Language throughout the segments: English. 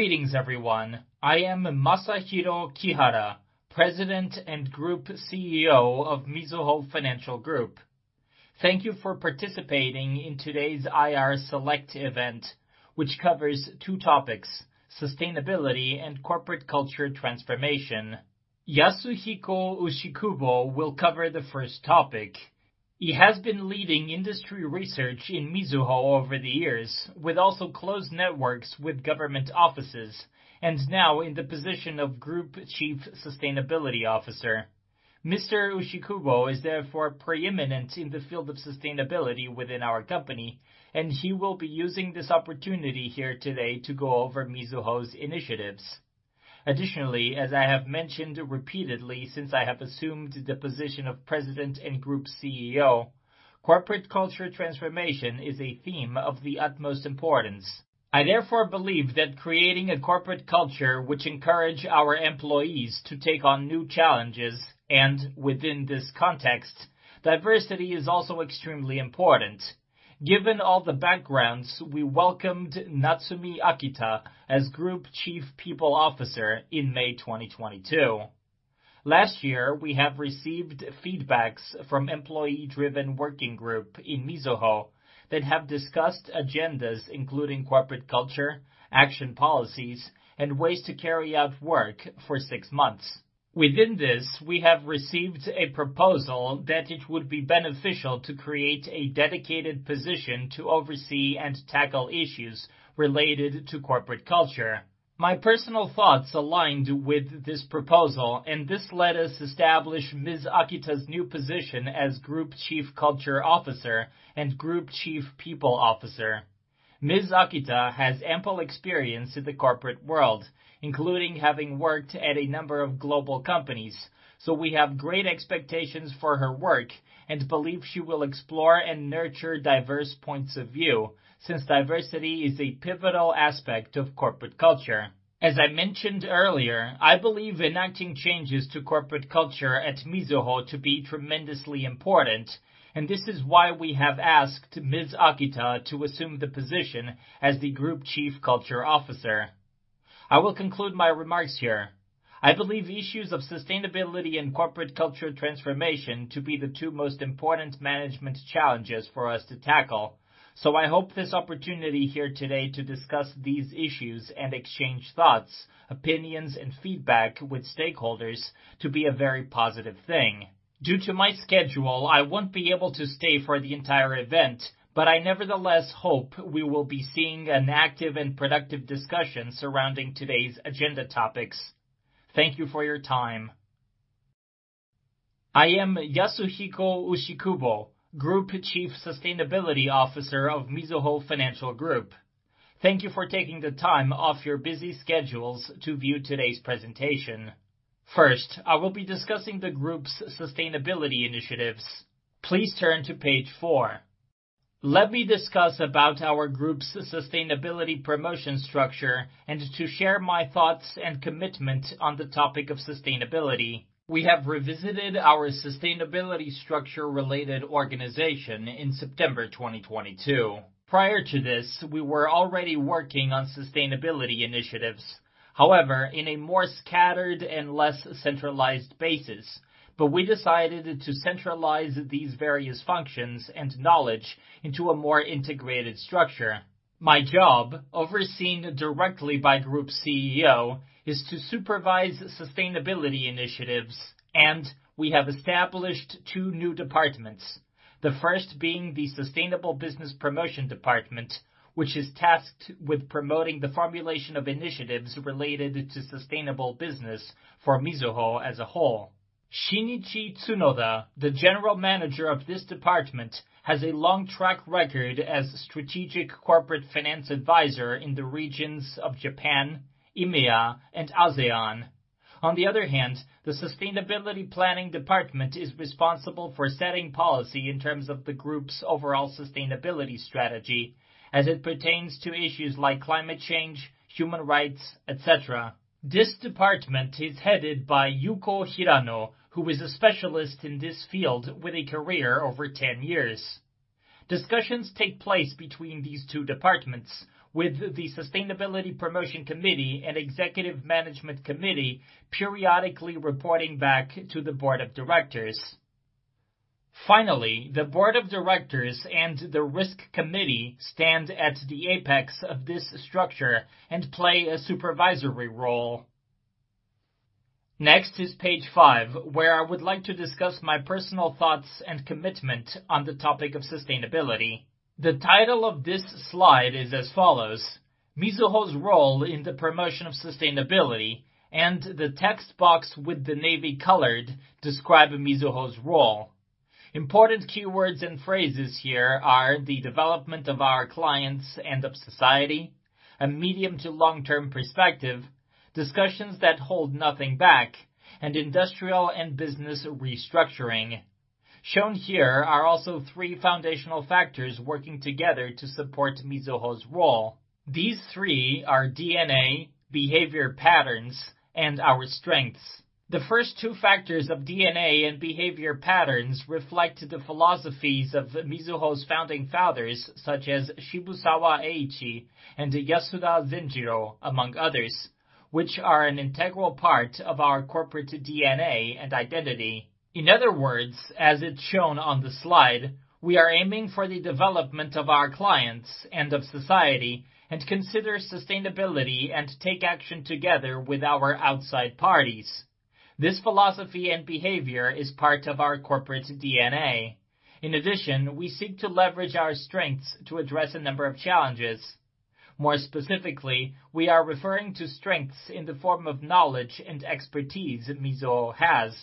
Greetings everyone. I am Masahiro Kihara, President and Group CEO of Mizuho Financial Group. Thank you for participating in today's IR Select event, which covers two topics, sustainability and corporate culture transformation. Yasuhiko Ushikubo will cover the first topic. He has been leading industry research in Mizuho over the years, with also close networks with government offices and now in the position of Group Chief Sustainability Officer. Mr. Ushikubo is therefore preeminent in the field of sustainability within our company, and he will be using this opportunity here today to go over Mizuho's initiatives. Additionally, as I have mentioned repeatedly since I have assumed the position of President and Group CEO, corporate culture transformation is a theme of the utmost importance. I therefore believe that creating a corporate culture which encourage our employees to take on new challenges, and within this context, diversity is also extremely important. Given all the backgrounds, we welcomed Natsumi Akita as Group Chief People Officer in May 2022. Last year, we have received feedbacks from employee-driven working group in Mizuho that have discussed agendas including corporate culture, action policies, and ways to carry out work for six months. Within this, we have received a proposal that it would be beneficial to create a dedicated position to oversee and tackle issues related to corporate culture. My personal thoughts aligned with this proposal, and this led us to establish Ms. Akita's new position as Group Chief Culture Officer and Group Chief People Officer. Ms. Akita has ample experience in the corporate world, including having worked at a number of global companies, so we have great expectations for her work and believe she will explore and nurture diverse points of view since diversity is a pivotal aspect of corporate culture. As I mentioned earlier, I believe enacting changes to corporate culture at Mizuho to be tremendously important, and this is why we have asked Ms. Akita to assume the position as the Group Chief Culture Officer. I will conclude my remarks here. I believe issues of sustainability and corporate culture transformation to be the two most important management challenges for us to tackle. I hope this opportunity here today to discuss these issues and exchange thoughts, opinions, and feedback with stakeholders to be a very positive thing. Due to my schedule, I won't be able to stay for the entire event, but I nevertheless hope we will be seeing an active and productive discussion surrounding today's agenda topics. Thank you for your time. I am Yasuhiko Ushikubo, Group Chief Sustainability Officer of Mizuho Financial Group. Thank you for taking the time off your busy schedules to view today's presentation. First, I will be discussing the group's sustainability initiatives. Please turn to page four. Let me discuss about our group's sustainability promotion structure and to share my thoughts and commitment on the topic of sustainability. We have revisited our sustainability structure-related organization in September 2022. Prior to this, we were already working on sustainability initiatives, however, in a more scattered and less centralized basis. We decided to centralize these various functions and knowledge into a more integrated structure. My job, overseen directly by Group CEO, is to supervise sustainability initiatives, and we have established two new departments. The first being the Sustainable Business Promotion Department, which is tasked with promoting the formulation of initiatives related to sustainable business for Mizuho as a whole. Shinichi Tsunoda, the General Manager of this department, has a long track record as strategic corporate finance advisor in the regions of Japan, EMEA, and ASEAN. On the other hand, the Sustainability Planning Department is responsible for setting policy in terms of the group's overall sustainability strategy as it pertains to issues like climate change, human rights, etc. This department is headed by Yuko Hirano, who is a specialist in this field with a career over 10 years. Discussions take place between these two departments, with the Sustainability Promotion Committee and Executive Management Committee periodically reporting back to the Board of Directors. Finally, the Board of Directors and the Risk Committee stand at the apex of this structure and play a supervisory role. Next is page five, where I would like to discuss my personal thoughts and commitment on the topic of sustainability. The title of this slide is as follows: Mizuho's role in the promotion of sustainability and the text box with the navy colored describe Mizuho's role. Important keywords and pHRases here are the development of our clients and of society, a medium to long-term perspective, discussions that hold nothing back, and industrial and business restructuring. Shown here are also tHRee foundational factors working together to support Mizuho's role. These tHRee are DNA, behavior patterns, and our strengths. The first two factors of DNA and behavior patterns reflect the philosophies of Mizuho's founding fathers, such as Shibusawa Eiichi and Yasuda Zenjiro, among others. Which are an integral part of our corporate DNA and identity. In other words, as it's shown on the slide, we are aiming for the development of our clients and of society and consider sustainability and take action together with our outside parties. This philosophy and behavior is part of our corporate DNA. In addition, we seek to leverage our strengths to address a number of challenges. More specifically, we are referring to strengths in the form of knowledge and expertise Mizuho has,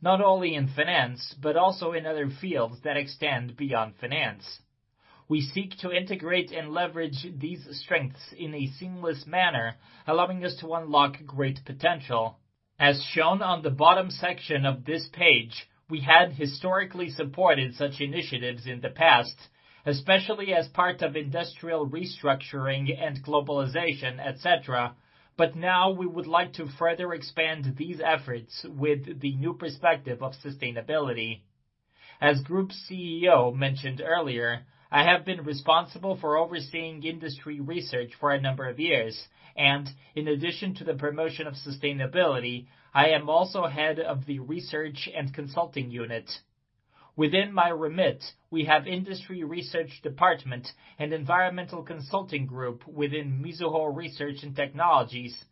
not only in finance, but also in other fields that extend beyond finance. We seek to integrate and leverage these strengths in a seamless manner, allowing us to unlock great potential. As shown on the bottom section of this page, we had historically supported such initiatives in the past, especially as part of industrial restructuring and globalization, et cetera. Now we would like to further expand these efforts with the new perspective of sustainability. As Group CEO mentioned earlier, I have been responsible for overseeing industry research for a number of years, and in addition to the promotion of sustainability, I am also head of the Research & Consulting Unit. Within my remit, we have Industry Research Department and environmental consulting group within Mizuho Research & Technologies,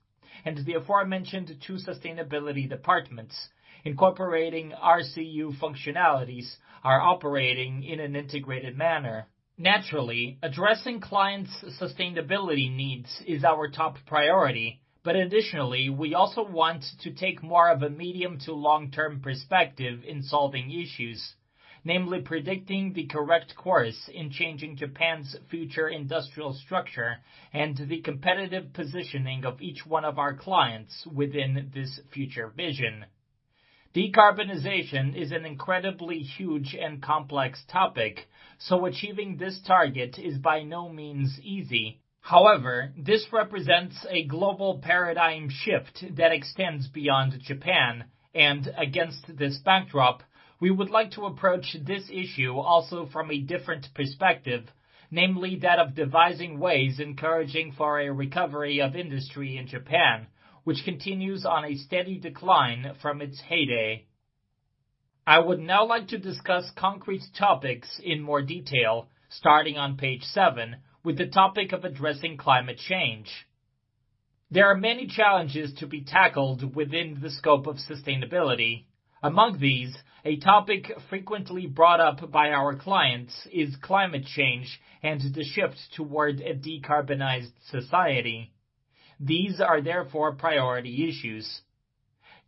and the aforementioned two sustainability departments, incorporating RCU functionalities are operating in an integrated manner. Naturally, addressing clients' sustainability needs is our top priority, but additionally, we also want to take more of a medium to long-term perspective in solving issues, namely predicting the correct course in changing Japan's future industrial structure and the competitive positioning of each one of our clients within this future vision. Decarbonization is an incredibly huge and complex topic, so achieving this target is by no means easy. However, this represents a global paradigm shift that extends beyond Japan. Against this backdrop, we would like to approach this issue also from a different perspective, namely that of devising ways encouraging for a recovery of industry in Japan, which continues on a steady decline from its heyday. I would now like to discuss concrete topics in more detail, starting on page seven, with the topic of addressing climate change. There are many challenges to be tackled within the scope of sustainability. Among these, a topic frequently brought up by our clients is climate change and the shift toward a decarbonized society. These are therefore priority issues.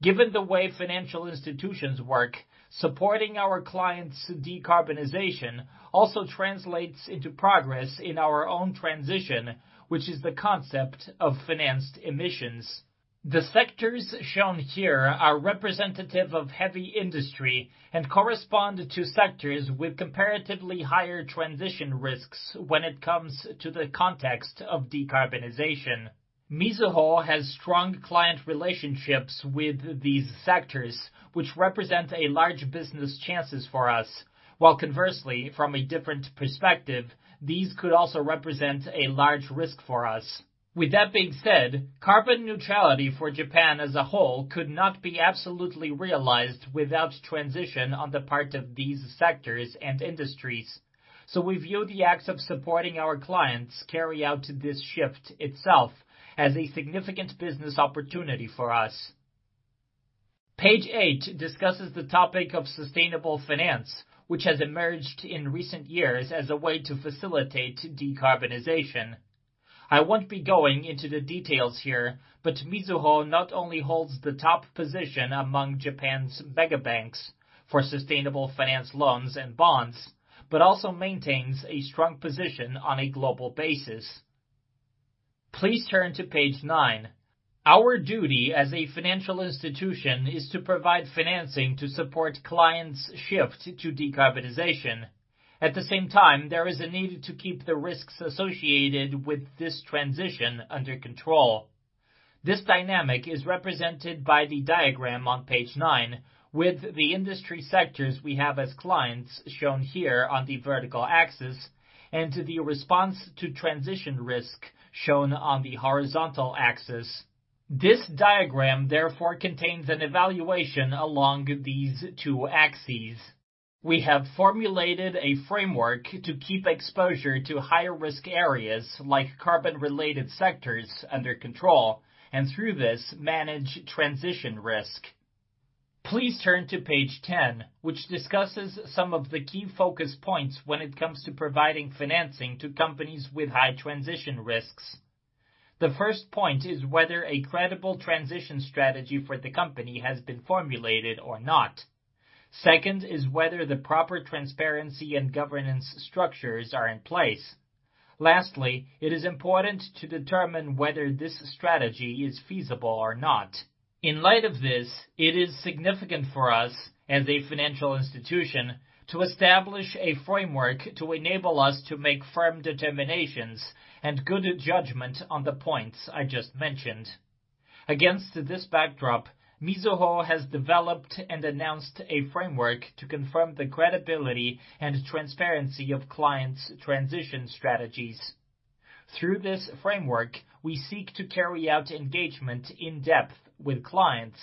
Given the way financial institutions work, supporting our clients' decarbonization also translates into progress in our own transition, which is the concept of financed emissions. The sectors shown here are representative of heavy industry and correspond to sectors with comparatively higher transition risks when it comes to the context of decarbonization. Mizuho has strong client relationships with these sectors, which represent a large business chances for us, while conversely, from a different perspective, these could also represent a large risk for us. With that being said, carbon neutrality for Japan as a whole could not be absolutely realized without transition on the part of these sectors and industries. We view the acts of supporting our clients carry out this shift itself as a significant business opportunity for us. Page eight discusses the topic of sustainable finance, which has emerged in recent years as a way to facilitate decarbonization. I won't be going into the details here, Mizuho not only holds the top position among Japan's mega banks for sustainable finance loans and bonds but also maintains a strong position on a global basis. Please turn to page nine. Our duty as a financial institution is to provide financing to support clients' shift to decarbonization. At the same time, there is a need to keep the risks associated with this transition under control. This dynamic is represented by the diagram on page nine, with the industry sectors we have as clients shown here on the vertical axis and the response to transition risk shown on the horizontal axis. This diagram therefore contains an evaluation along these two axes. We have formulated a framework to keep exposure to higher-risk areas like carbon-related sectors under control and, tHRough this, manage transition risk. Please turn to page 10, which discusses some of the key focus points when it comes to providing financing to companies with high transition risks. The first point is whether a credible transition strategy for the company has been formulated or not. Second is whether the proper transparency and governance structures are in place. Lastly, it is important to determine whether this strategy is feasible or not. In light of this, it is significant for us, as a financial institution, to establish a framework to enable us to make firm determinations and good judgment on the points I just mentioned. Against this backdrop, Mizuho has developed and announced a framework to confirm the credibility and transparency of clients' transition strategies. THRough this framework, we seek to carry out engagement in depth with clients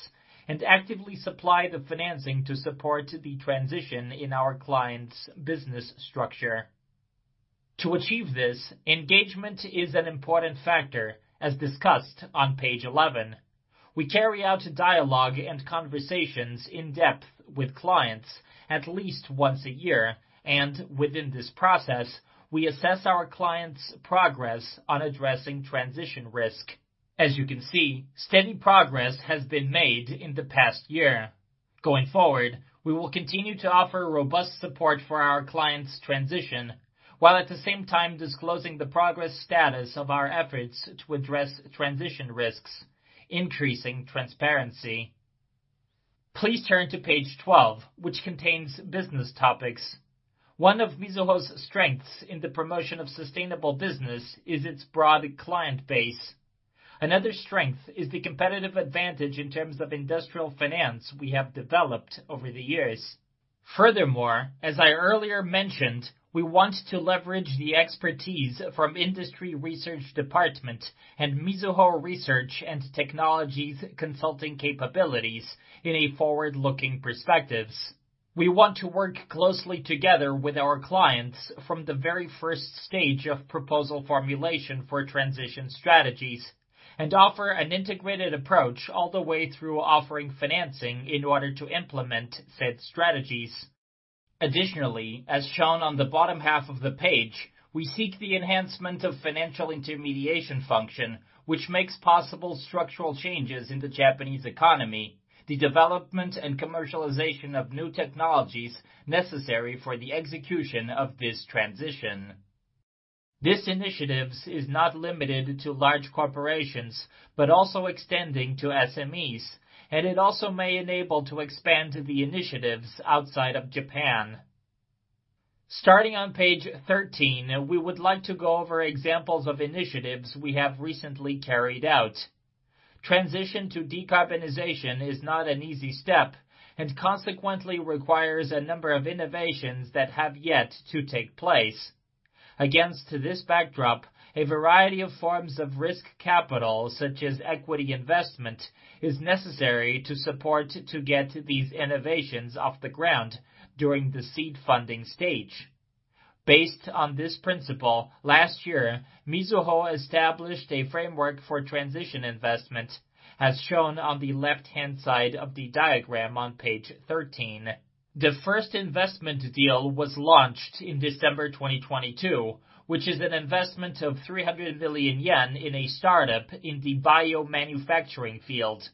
and actively supply the financing to support the transition in our clients' business structure. To achieve this, engagement is an important factor, as discussed on page 11. We carry out a dialogue and conversations in depth with clients at least once a year, and within this process, we assess our clients' progress on addressing transition risk. As you can see, steady progress has been made in the past year. Going forward, we will continue to offer robust support for our clients' transition, while at the same time disclosing the progress status of our efforts to address transition risks, increasing transparency. Please turn to page 12, which contains business topics. One of Mizuho's strengths in the promotion of sustainable business is its broad client base. Another strength is the competitive advantage in terms of industrial finance we have developed over the years. Furthermore, as I earlier mentioned, we want to leverage the expertise from Industry Research Department and Mizuho Research & Technologies consulting capabilities in a forward-looking perspectives. We want to work closely together with our clients from the very first stage of proposal formulation for transition strategies and offer an integrated approach all the way tHRough offering financing in order to implement said strategies. As shown on the bottom half of the page, we seek the enhancement of financial intermediation function, which makes possible structural changes in the Japanese economy, the development and commercialization of new technologies necessary for the execution of this transition. This initiatives is not limited to large corporations, but also extending to SMEs, and it also may enable to expand the initiatives outside of Japan. Starting on page 13, we would like to go over examples of initiatives we have recently carried out. Transition to decarbonization is not an easy step and consequently requires a number of innovations that have yet to take place. Against this backdrop, a variety of forms of risk capital, such as equity investment, is necessary to support to get these innovations off the ground during the seed funding stage. Based on this principle, last year, Mizuho established a framework for transition investment, as shown on the left-hand side of the diagram on page 13. The first investment deal was launched in December 2022, which is an investment of 300 million yen in a startup in the biomanufacturing field.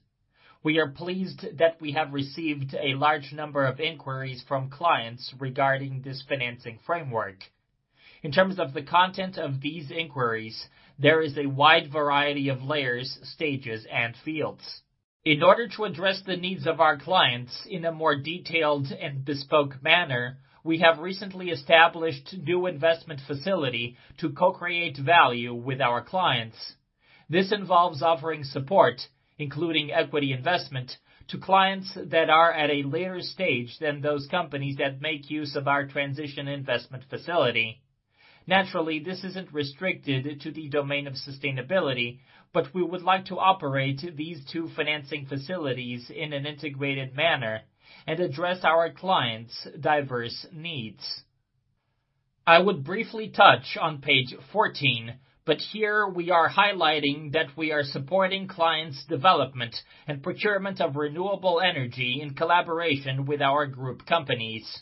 We are pleased that we have received a large number of inquiries from clients regarding this financing framework. In terms of the content of these inquiries, there is a wide variety of layers, stages, and fields. In order to address the needs of our clients in a more detailed and bespoke manner, we have recently established new investment facility to co-create value with our clients. This involves offering support, including equity investment, to clients that are at a later stage than those companies that make use of our transition investment facility. Naturally, this isn't restricted to the domain of sustainability, but we would like to operate these two financing facilities in an integrated manner and address our clients' diverse needs. I would briefly touch on page 14, but here we are highlighting that we are supporting clients' development and procurement of renewable energy in collaboration with our group companies.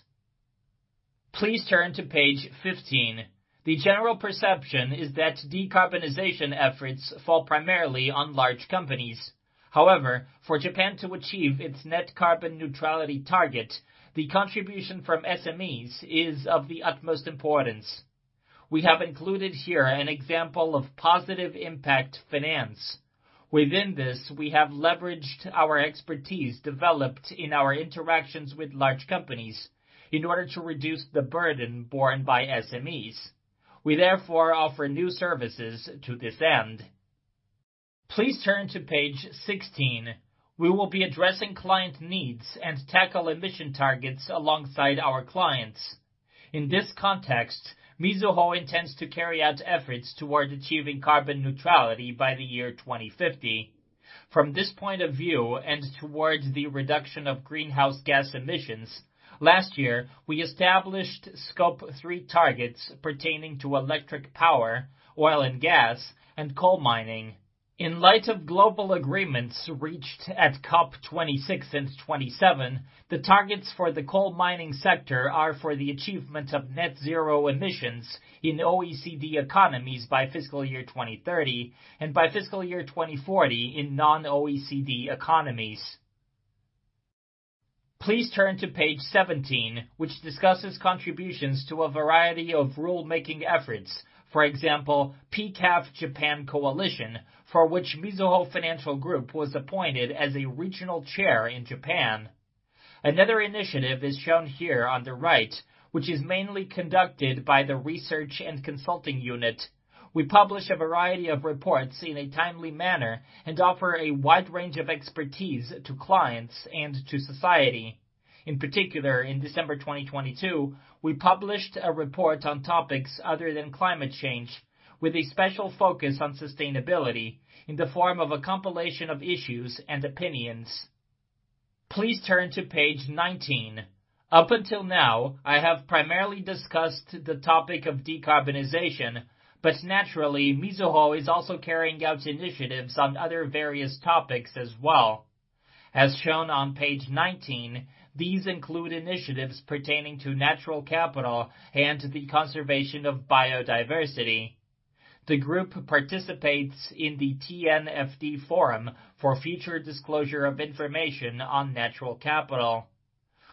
Please turn to page 15. The general perception is that decarbonization efforts fall primarily on large companies. However, for Japan to achieve its net carbon neutrality target, the contribution from SMEs is of the utmost importance. We have included here an example of positive impact finance. Within this, we have leveraged our expertise developed in our interactions with large companies in order to reduce the burden borne by SMEs. We therefore offer new services to this end. Please turn to page 16. We will be addressing client needs and tackle emission targets alongside our clients. In this context, Mizuho intends to carry out efforts toward achieving carbon neutrality by the year 2050. From this point of view and towards the reduction of greenhouse gas emissions, last year, we established Scope 3 targets pertaining to electric power, oil and gas, and coal mining. In light of global agreements reached at COP26 and 27, the targets for the coal mining sector are for the achievement of net zero emissions in OECD economies by fiscal year 2030 and by fiscal year 2040 in non-OECD economies. Please turn to page 17, which discusses contributions to a variety of rulemaking efforts. For example, PCAF Japan Coalition, for which Mizuho Financial Group was appointed as a regional chair in Japan. Another initiative is shown here on the right, which is mainly conducted by the Research & Consulting Unit. We publish a variety of reports in a timely manner and offer a wide range of expertise to clients and to society. In particular, in December 2022, we published a report on topics other than climate change, with a special focus on sustainability in the form of a compilation of issues and opinions. Please turn to page 19. Up until now, I have primarily discussed the topic of decarbonization. Naturally, Mizuho is also carrying out initiatives on other various topics as well. As shown on page 19, these include initiatives pertaining to natural capital and the conservation of biodiversity. The group participates in the TNFD forum for future disclosure of information on natural capital.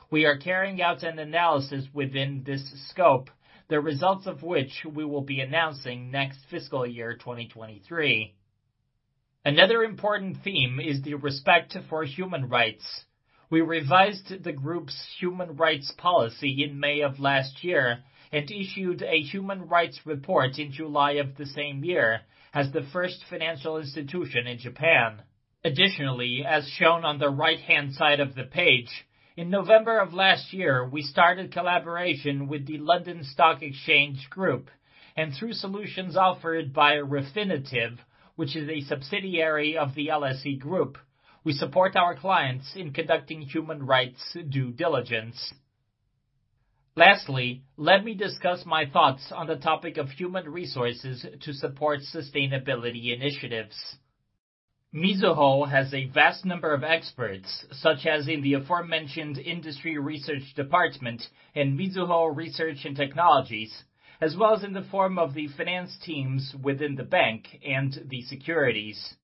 We are carrying out an analysis within this scope, the results of which we will be announcing next fiscal year, 2023. Another important theme is the respect for human rights. We revised the group's human rights policy in May of last year and issued a human rights report in July of the same year as the first financial institution in Japan. As shown on the right-hand side of the page, in November of last year, we started collaboration with the London Stock Exchange Group, and tHRough solutions offered by Refinitiv, which is a subsidiary of the LSE Group. We support our clients in conducting human rights due diligence. Let me discuss my thoughts on the topic of human resources to support sustainability initiatives. Mizuho has a vast number of experts, such as in the aforementioned Industry Research Department and Mizuho Research & Technologies, as well as in the form of the finance teams within the bank and the securities.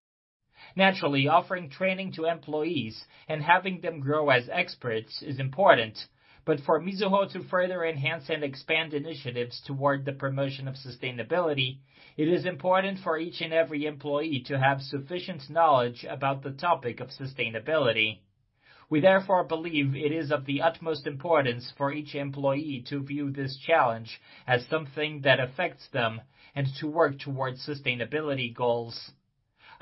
Offering training to employees and having them grow as experts is important. For Mizuho to further enhance and expand initiatives toward the promotion of sustainability, it is important for each and every employee to have sufficient knowledge about the topic of sustainability. We therefore believe it is of the utmost importance for each employee to view this challenge as something that affects them and to work towards sustainability goals.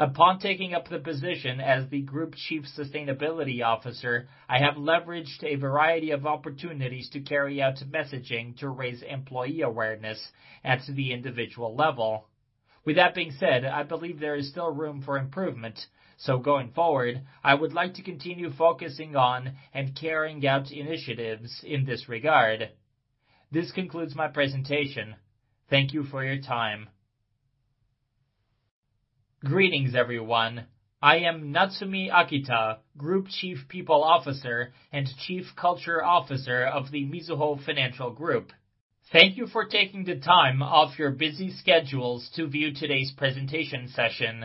Upon taking up the position as the Group Chief Sustainability Officer, I have leveraged a variety of opportunities to carry out messaging to raise employee awareness at the individual level. With that being said, I believe there is still room for improvement. Going forward, I would like to continue focusing on and carrying out initiatives in this regard. This concludes my presentation. Thank you for your time. Greetings, everyone. I am Natsumi Akita, Group Chief People Officer and Chief Culture Officer of the Mizuho Financial Group. Thank you for taking the time off your busy schedules to view today's presentation session.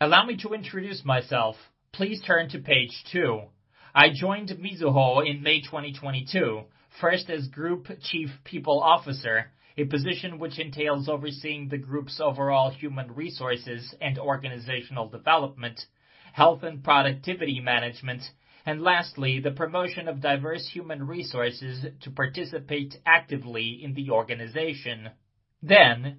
Allow me to introduce myself. Please turn to page two. I joined Mizuho in May 2022, first as Group Chief People Officer, a position which entails overseeing the group's overall human resources and organizational development, health and productivity management, and lastly, the promotion of diverse human resources to participate actively in the organization.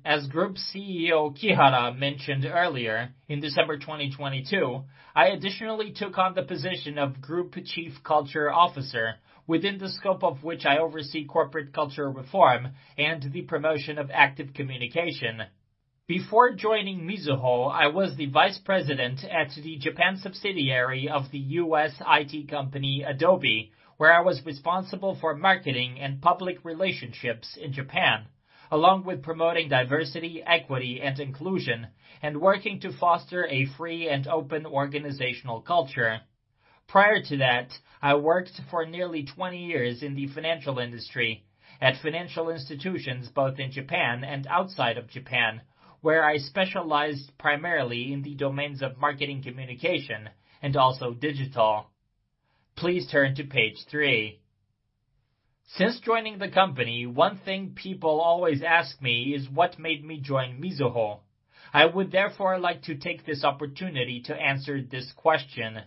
As Group CEO Kihara mentioned earlier, in December 2022, I additionally took on the position of Group Chief Culture Officer within the scope of which I oversee corporate culture reform and the promotion of active communication. Before joining Mizuho, I was the vice president at the Japan subsidiary of the U.S. IT company, Adobe, where I was responsible for marketing and public relationships in Japan, along with promoting diversity, equity, and inclusion, and working to foster a free and open organizational culture. Prior to that, I worked for nearly 20 years in the financial industry at financial institutions, both in Japan and outside of Japan, where I specialized primarily in the domains of marketing communication and also digital. Please turn to page tHRee. Since joining the company, one thing people always ask me is what made me join Mizuho. I would therefore like to take this opportunity to answer this question.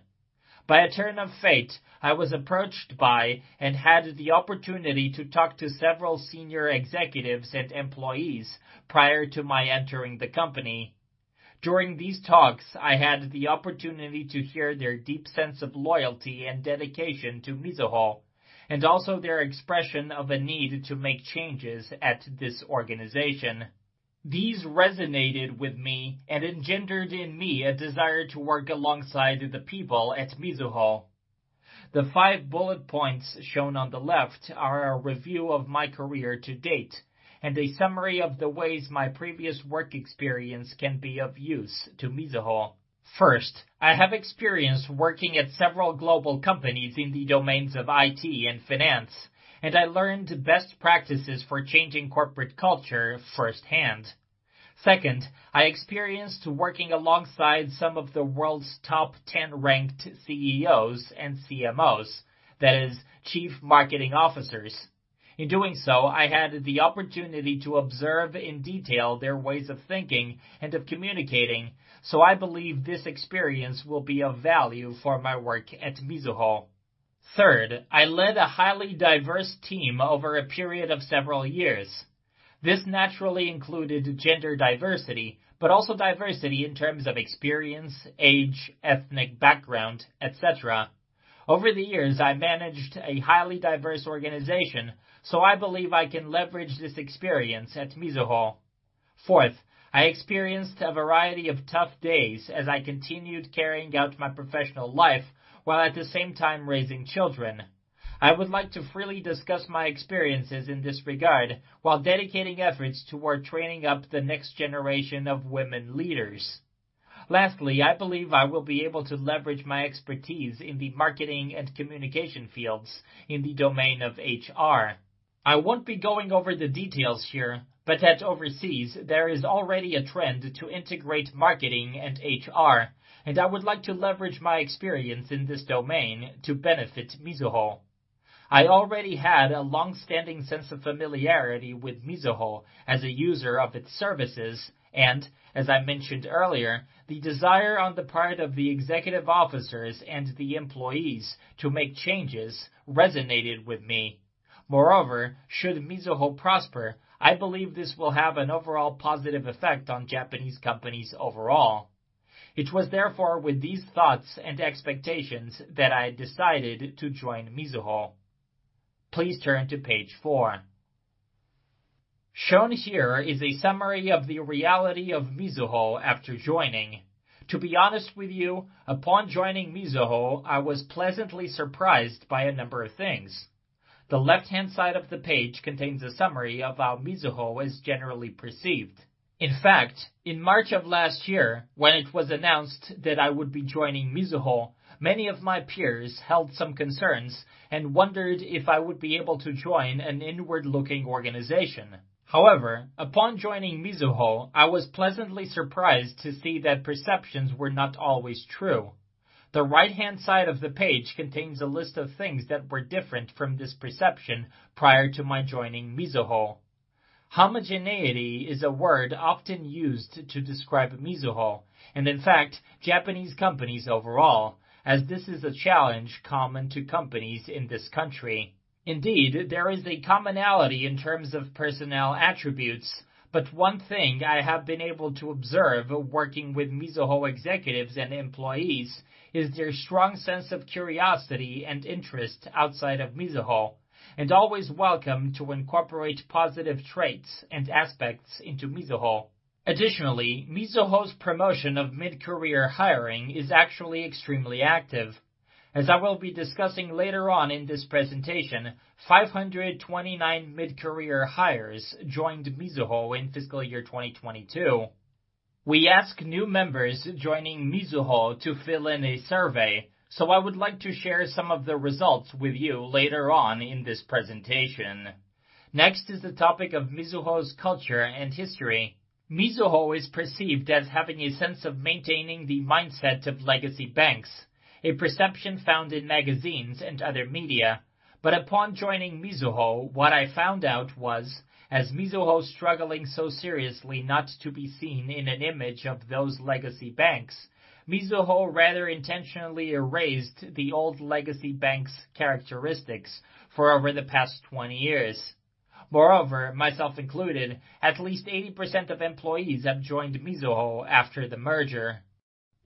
By a turn of fate, I was approached by and had the opportunity to talk to several senior executives and employees prior to my entering the company. During these talks, I had the opportunity to hear their deep sense of loyalty and dedication to Mizuho, and also their expression of a need to make changes at this organization. These resonated with me and engendered in me a desire to work alongside the people at Mizuho. The five bullet points shown on the left are a review of my career to date and a summary of the ways my previous work experience can be of use to Mizuho. First, I have experience working at several global companies in the domains of IT and finance, and I learned best practices for changing corporate culture firsthand. Second, I experienced working alongside some of the world's top 10 ranked CEOs and CMOs, that is, chief marketing officers. In doing so, I had the opportunity to observe in detail their ways of thinking and of communicating. I believe this experience will be of value for my work at Mizuho. Third, I led a highly diverse team over a period of several years. This naturally included gender diversity, but also diversity in terms of experience, age, ethnic background, etc. Over the years, I managed a highly diverse organization. I believe I can leverage this experience at Mizuho. Fourth, I experienced a variety of tough days as I continued carrying out my professional life while at the same time raising children. I would like to freely discuss my experiences in this regard while dedicating efforts toward training up the next generation of women leaders. Lastly, I believe I will be able to leverage my expertise in the marketing and communication fields in the domain of HR. I won't be going over the details here, but at overseas, there is already a trend to integrate marketing and HR, and I would like to leverage my experience in this domain to benefit Mizuho. I already had a long-standing sense of familiarity with Mizuho as a user of its services, and as I mentioned earlier, the desire on the part of the executive officers and the employees to make changes resonated with me. Moreover, should Mizuho prosper, I believe this will have an overall positive effect on Japanese companies overall. It was therefore with these thoughts and expectations that I decided to join Mizuho. Please turn to page four. Shown here is a summary of the reality of Mizuho after joining. To be honest with you, upon joining Mizuho, I was pleasantly surprised by a number of things. The left-hand side of the page contains a summary of how Mizuho is generally perceived. In fact, in March of last year, when it was announced that I would be joining Mizuho, many of my peers held some concerns and wondered if I would be able to join an inward-looking organization. However, upon joining Mizuho, I was pleasantly surprised to see that perceptions were not always true. The right-hand side of the page contains a list of things that were different from this perception prior to my joining Mizuho. Homogeneity is a word often used to describe Mizuho, and in fact, Japanese companies overall, as this is a challenge common to companies in this country. Indeed, there is a commonality in terms of personnel attributes, one thing I have been able to observe working with Mizuho executives and employees is their strong sense of curiosity and interest outside of Mizuho, and always welcome to incorporate positive traits and aspects into Mizuho. Additionally, Mizuho's promotion of mid-career hiring is actually extremely active. As I will be discussing later on in this presentation, 529 mid-career hires joined Mizuho in fiscal year 2022. We ask new members joining Mizuho to fill in a survey, I would like to share some of the results with you later on in this presentation. Next is the topic of Mizuho's culture and history. Mizuho is perceived as having a sense of maintaining the mindset of legacy banks, a perception found in magazines and other media. Upon joining Mizuho, what I found out was, as Mizuho struggling so seriously not to be seen in an image of those legacy banks, Mizuho rather intentionally erased the old legacy banks characteristics for over the past 20 years. Myself included, at least 80% of employees have joined Mizuho after the merger.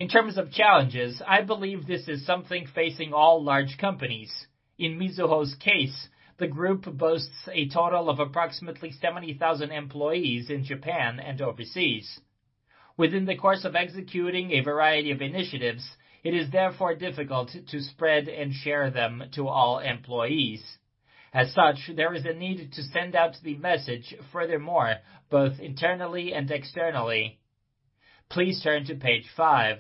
In terms of challenges, I believe this is something facing all large companies. In Mizuho's case, the group boasts a total of approximately 70,000 employees in Japan and overseas. Within the course of executing a variety of initiatives, it is therefore difficult to spread and share them to all employees. As such, there is a need to send out the message furthermore, both internally and externally. Please turn to page five.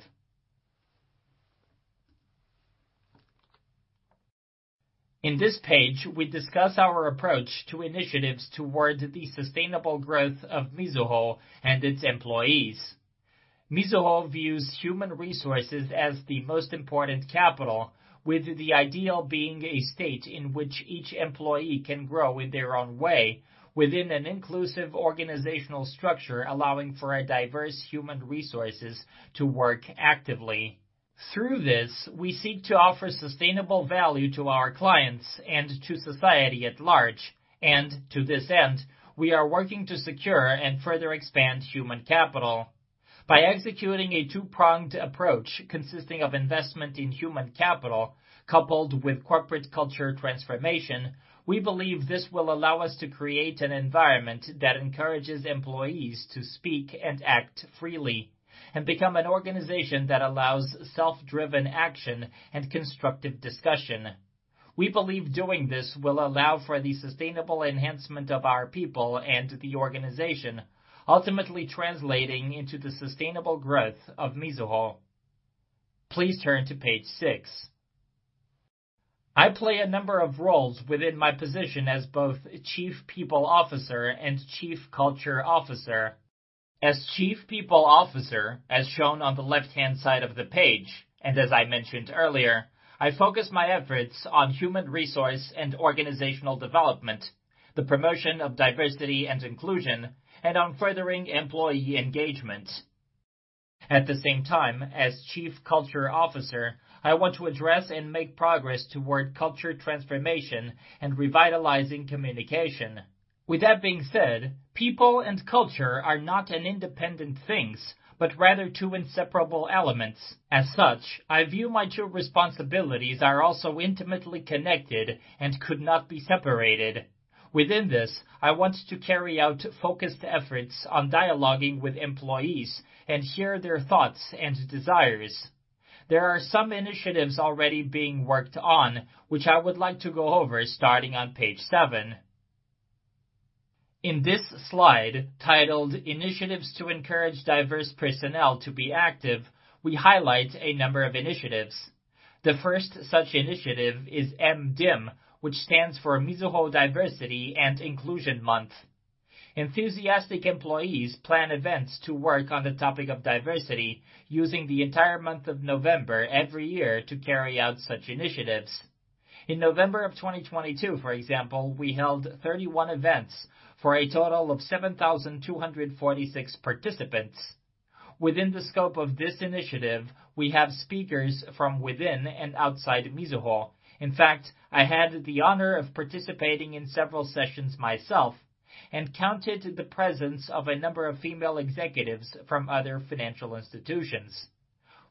In this page, we discuss our approach to initiatives towards the sustainable growth of Mizuho and its employees. Mizuho views human resources as the most important capital, with the ideal being a state in which each employee can grow in their own way within an inclusive organizational structure, allowing for a diverse human resources to work actively. THRough this, we seek to offer sustainable value to our clients and to society at large. To this end, we are working to secure and further expand human capital. By executing a two-pronged approach consisting of investment in human capital, coupled with corporate culture transformation, we believe this will allow us to create an environment that encourages employees to speak and act freely, and become an organization that allows self-driven action and constructive discussion. We believe doing this will allow for the sustainable enhancement of our people and the organization, ultimately translating into the sustainable growth of Mizuho. Please turn to page six. I play a number of roles within my position as both Chief People Officer and Chief Culture Officer. As Chief People Officer, as shown on the left-hand side of the page, and as I mentioned earlier, I focus my efforts on human resource and organizational development, the promotion of diversity and inclusion, and on furthering employee engagement. As Chief Culture Officer, I want to address and make progress toward culture transformation and revitalizing communication. With that being said, people and culture are not an independent things, but rather two inseparable elements. I view my two responsibilities are also intimately connected and could not be separated. Within this, I want to carry out focused efforts on dialoguing with employees and hear their thoughts and desires. There are some initiatives already being worked on, which I would like to go over starting on page seven. In this slide, titled Initiatives to Encourage Diverse Personnel to Be Active, we highlight a number of initiatives. The first such initiative is MDIM, which stands for Mizuho Diversity and Inclusion Month. Enthusiastic employees plan events to work on the topic of diversity using the entire month of November every year to carry out such initiatives. In November of 2022, for example, we held 31 events for a total of 7,246 participants. Within the scope of this initiative, we have speakers from within and outside Mizuho. In fact, I had the honor of participating in several sessions myself and counted the presence of a number of female executives from other financial institutions.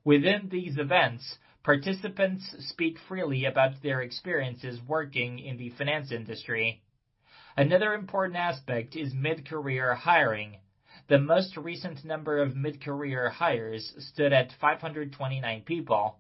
Within these events, participants speak freely about their experiences working in the finance industry. Another important aspect is mid-career hiring. The most recent number of mid-career hires stood at 529 people.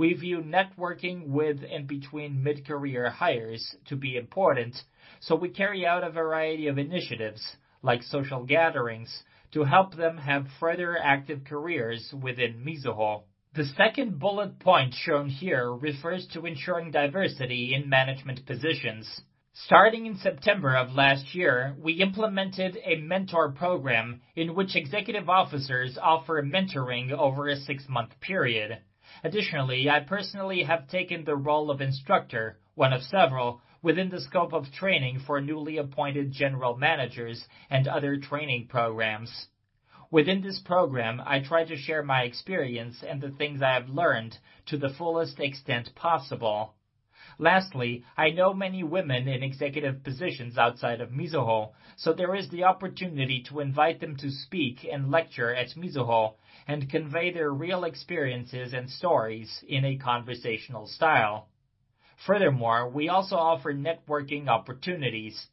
We view networking with and between mid-career hires to be important, so we carry out a variety of initiatives, like social gatherings, to help them have further active careers within Mizuho. The second bullet point shown here refers to ensuring diversity in management positions. Starting in September of last year, we implemented a mentor program in which executive officers offer mentoring over a six-month period. Additionally, I personally have taken the role of instructor, one of several, within the scope of training for newly appointed general managers and other training programs. Within this program, I try to share my experience and the things I have learned to the fullest extent possible. Lastly, I know many women in executive positions outside of Mizuho, so there is the opportunity to invite them to speak and lecture at Mizuho and convey their real experiences and stories in a conversational style. Furthermore, we also offer networking opportunities.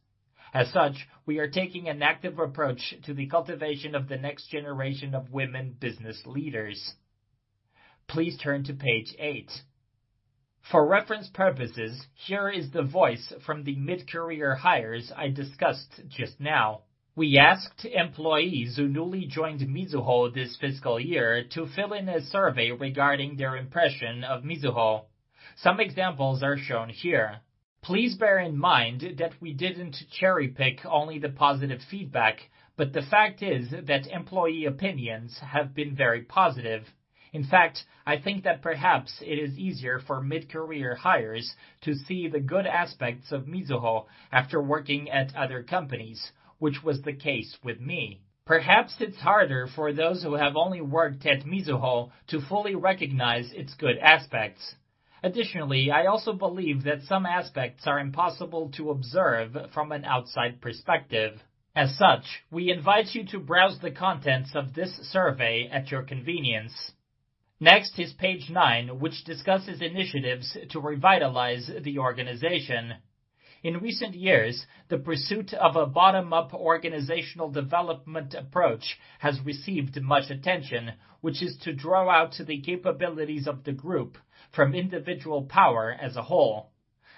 As such, we are taking an active approach to the cultivation of the next generation of women business leaders. Please turn to page eight. For reference purposes, here is the voice from the mid-career hires I discussed just now. We asked employees who newly joined Mizuho this fiscal year to fill in a survey regarding their impression of Mizuho. Some examples are shown here. Please bear in mind that we didn't cherry-pick only the positive feedback, but the fact is that employee opinions have been very positive. In fact, I think that perhaps it is easier for mid-career hires to see the good aspects of Mizuho after working at other companies, which was the case with me. Perhaps it's harder for those who have only worked at Mizuho to fully recognize its good aspects. Additionally, I also believe that some aspects are impossible to observe from an outside perspective. As such, we invite you to browse the contents of this survey at your convenience. Next is page nine, which discusses initiatives to revitalize the organization. In recent years, the pursuit of a bottom-up organizational development approach has received much attention, which is to draw out the capabilities of the group from individual power as a whole.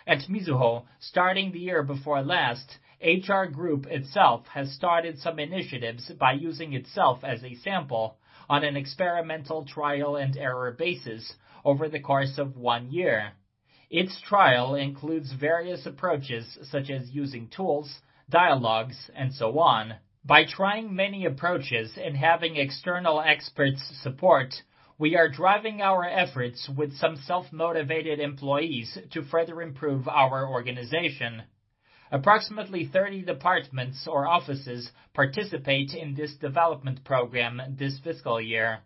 At Mizuho, starting the year before last, HR itself has started some initiatives by using itself as a sample on an experimental trial-and-error basis over the course of one year. Its trial includes various approaches such as using tools, dialogues, and so on. By trying many approaches and having external experts' support, we are driving our efforts with some self-motivated employees to further improve our organization. Approximately 30 departments or offices participate in this development program this fiscal year.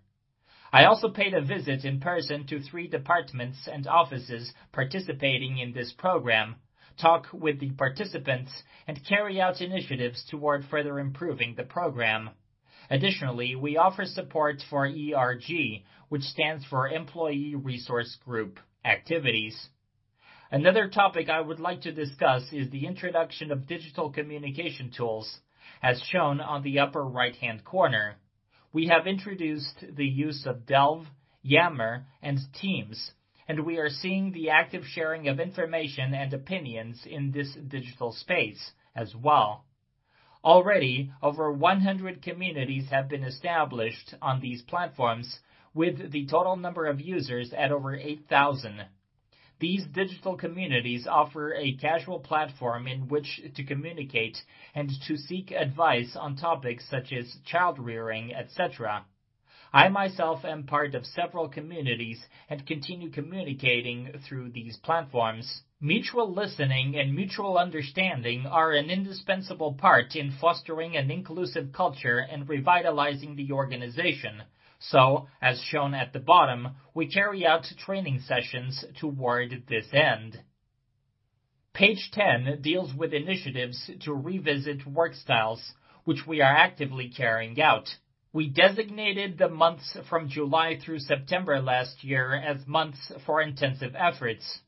I also paid a visit in person to tHRee departments and offices participating in this program, talk with the participants, and carry out initiatives toward further improving the program. Additionally, we offer support for ERG, which stands for Employee Resource Group activities. Another topic I would like to discuss is the introduction of digital communication tools, as shown on the upper right-hand corner. We have introduced the use of Delve, Yammer, and Teams, and we are seeing the active sharing of information and opinions in this digital space as well. Already, over 100 communities have been established on these platforms, with the total number of users at over 8,000. These digital communities offer a casual platform in which to communicate and to seek advice on topics such as child-rearing, etc. I myself am part of several communities and continue communicating tHRough these platforms. Mutual listening and mutual understanding are an indispensable part in fostering an inclusive culture and revitalizing the organization. As shown at the bottom, we carry out training sessions toward this end. Page 10 deals with initiatives to revisit work styles, which we are actively carrying out. We designated the months from July tHRough September last year as months for intensive efforts.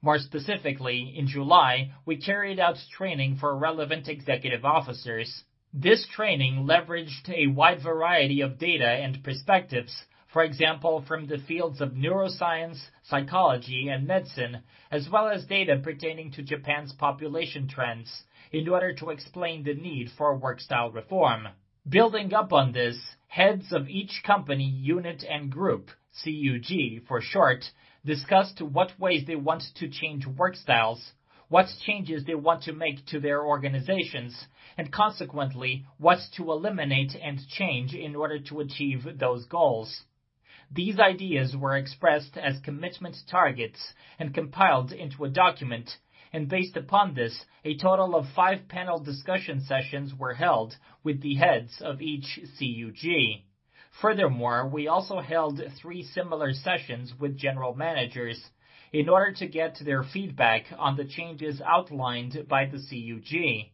More specifically, in July, we carried out training for relevant executive officers. This training leveraged a wide variety of data and perspectives, for example, from the fields of neuroscience, psychology, and medicine, as well as data pertaining to Japan's population trends in order to explain the need for work style reform. Building up on this, heads of each company, unit, and group, CUG for short, discussed what ways they want to change work styles, what changes they want to make to their organizations, and consequently, what to eliminate and change in order to achieve those goals. These ideas were expressed as commitment targets and compiled into a document. Based upon this, a total of five panel discussion sessions were held with the heads of each CUG. Furthermore, we also held tHRee similar sessions with general managers in order to get their feedback on the changes outlined by the CUG.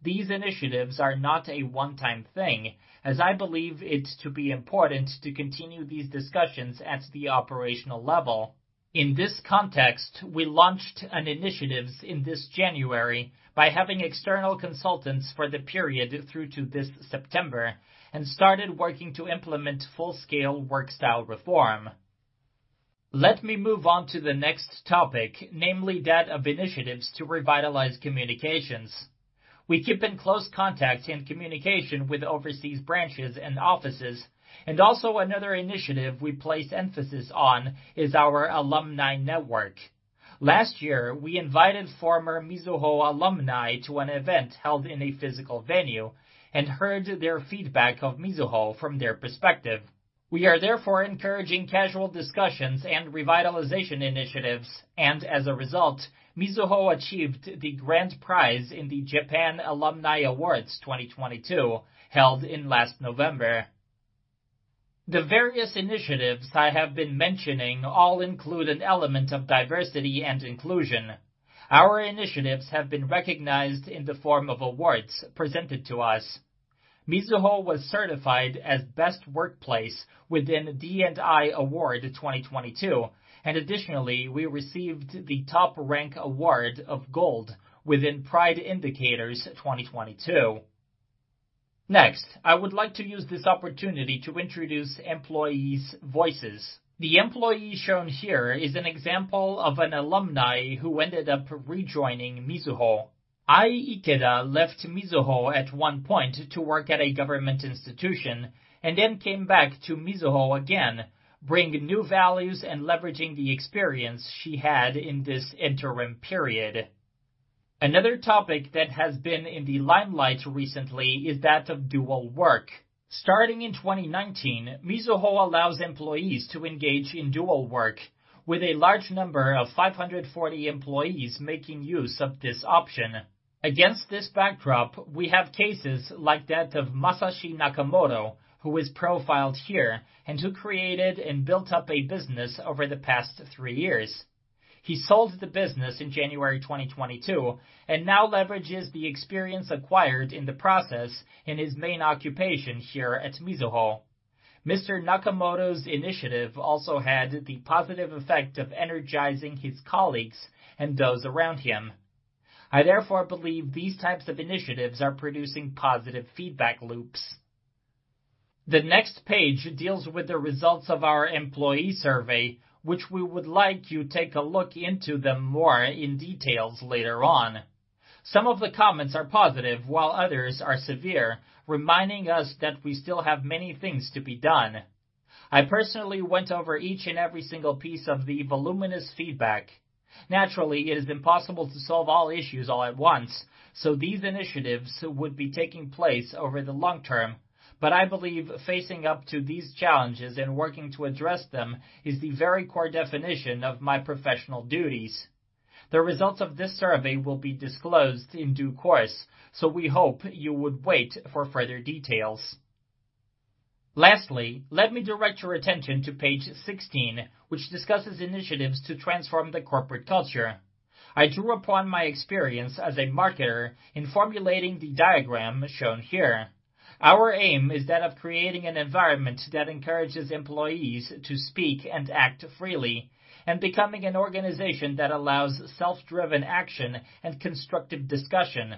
These initiatives are not a one-time thing, as I believe it to be important to continue these discussions at the operational level. In this context, we launched an initiatives in this January by having external consultants for the period tHRough to this September and started working to implement full-scale work style reform. Let me move on to the next topic, namely that of initiatives to revitalize communications. We keep in close contact and communication with overseas branches and offices, and also another initiative we place emphasis on is our alumni network. Last year, we invited former Mizuho alumni to an event held in a physical venue and heard their feedback of Mizuho from their perspective. We are therefore encouraging casual discussions and revitalization initiatives, and as a result, Mizuho achieved the grand prize in the Japan Alumni Awards 2022, held in last November. The various initiatives I have been mentioning all include an element of diversity and inclusion. Our initiatives have been recognized in the form of awards presented to us. Mizuho was certified as best workplace within D&I Award 2022. Additionally, we received the top rank award of gold within PRIDE Index 2022. I would like to use this opportunity to introduce employees' voices. The employee shown here is an example of an alumni who ended up rejoining Mizuho. Ai Ikeda left Mizuho at one point to work at a government institution. Then came back to Mizuho again, bringing new values and leveraging the experience she had in this interim period. Another topic that has been in the limelight recently is that of dual work. Starting in 2019, Mizuho allows employees to engage in dual work with a large number of 540 employees making use of this option. Against this backdrop, we have cases like that of Masashi Nakamoto, who is profiled here and who created and built up a business over the past tHRee years. He sold the business in January 2022 and now leverages the experience acquired in the process in his main occupation here at Mizuho. Mr. Nakamoto's initiative also had the positive effect of energizing his colleagues and those around him. I therefore believe these types of initiatives are producing positive feedback loops. The next page deals with the results of our employee survey, which we would like you take a look into them more in details later on. Some of the comments are positive, while others are severe, reminding us that we still have many things to be done. I personally went over each and every single piece of the voluminous feedback. Naturally, it is impossible to solve all issues all at once. These initiatives would be taking place over the long term. I believe facing up to these challenges and working to address them is the very core definition of my professional duties. The results of this survey will be disclosed in due course. We hope you would wait for further details. Lastly, let me direct your attention to page 16, which discusses initiatives to transform the corporate culture. I drew upon my experience as a marketer in formulating the diagram shown here. Our aim is that of creating an environment that encourages employees to speak and act freely, and becoming an organization that allows self-driven action and constructive discussion.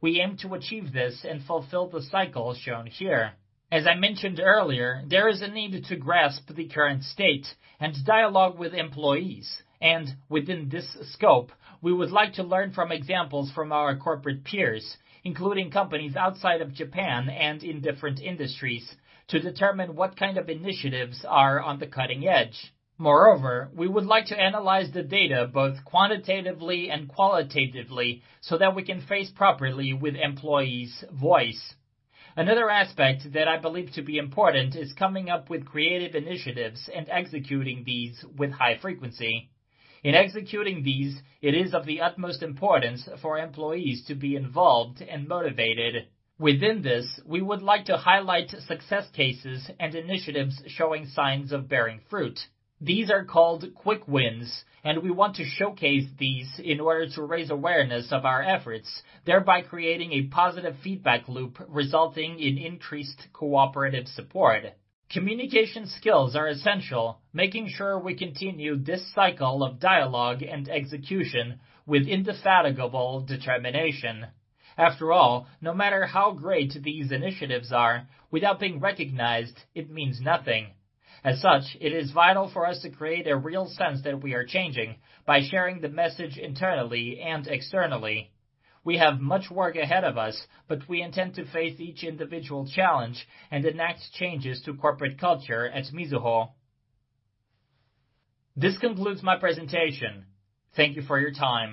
We aim to achieve this and fulfill the cycle shown here. As I mentioned earlier, there is a need to grasp the current state and dialogue with employees. Within this scope, we would like to learn from examples from our corporate peers, including companies outside of Japan and in different industries, to determine what kind of initiatives are on the cutting edge. Moreover, we would like to analyze the data both quantitatively and qualitatively so that we can face properly with employees' voice. Another aspect that I believe to be important is coming up with creative initiatives and executing these with high frequency. In executing these, it is of the utmost importance for employees to be involved and motivated. Within this, we would like to highlight success cases and initiatives showing signs of bearing fruit. These are called quick wins. We want to showcase these in order to raise awareness of our efforts, thereby creating a positive feedback loop resulting in increased cooperative support. Communication skills are essential, making sure we continue this cycle of dialogue and execution with indefatigable determination. After all, no matter how great these initiatives are, without being recognized, it means nothing. As such, it is vital for us to create a real sense that we are changing by sharing the message internally and externally. We have much work ahead of us, we intend to face each individual challenge and enact changes to corporate culture at Mizuho. This concludes my presentation. Thank you for your time.